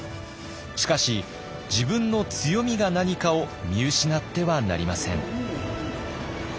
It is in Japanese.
しかし自分の強みが何かを見失ってはなりません。